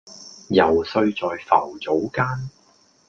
揉碎在浮藻間